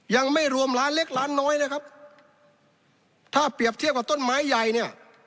ยังไม่รวมร้านเล็กร้านน้อยนะครับถ้าเปรียบเทียบกับต้นไม้ใหญ่เนี่ย